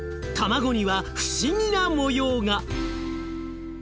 卵には不思議な模様が！